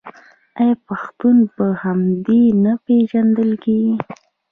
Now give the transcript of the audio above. آیا پښتون په همدې نه پیژندل کیږي؟